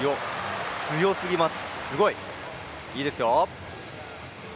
強すぎます、すごい、いいですよ。